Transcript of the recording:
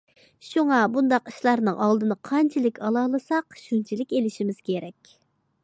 شۇڭا بۇنداق ئىشلارنىڭ ئالدىنى قانچىلىك ئالالىساق شۇنچىلىك ئېلىشىمىز كېرەك.